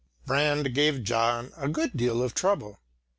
Brand gave John a good deal of trouble.